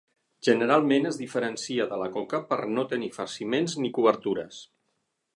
Generalment es diferencia de la coca per no tenir farciments ni cobertures.